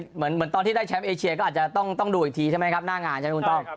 เหมือนตอนที่ได้แชมป์เอเชียก็อาจจะต้องดูอีกทีใช่ไหมครับหน้างานใช่ไหมคุณต้อง